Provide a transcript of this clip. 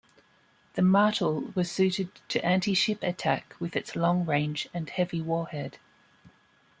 The Martel was suited to anti-ship attack with its long range and heavy warhead.